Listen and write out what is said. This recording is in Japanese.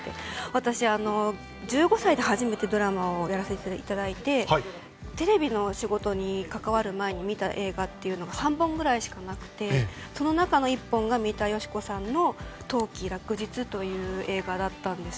私、１５歳で初めてドラマをやらせていただいてテレビの仕事に関わる前に見た映画が３本ぐらいしかなくてその中の１本が三田佳子さんの映画だったんです。